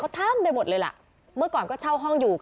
ทำไปหมดเลยล่ะเมื่อก่อนก็เช่าห้องอยู่